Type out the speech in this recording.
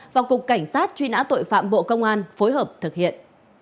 và cục cảnh sát truy nã tội phạm bộ công an phối hợp thực hiện